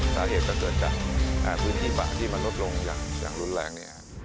สาเหตุจะเกิดจากพื้นที่ป่าที่มนุษย์ลงอย่างรุนแรง